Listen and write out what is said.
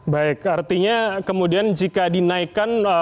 baik artinya kemudian jika dinaikkan